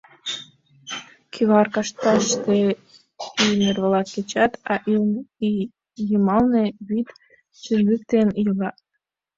Кӱвар кашташте ийнер-влак кечат, а ӱлнӧ, ий йымалне, вӱд чыргыктен йога.